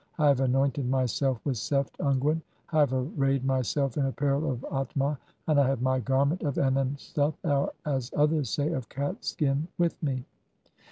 (32) I have anointed myself with seft "unguent, I have arrayed myself in apparel of dtma, and I have "my garment (?) of enen stuff," or as others say, "of cat's skin (?) "with me."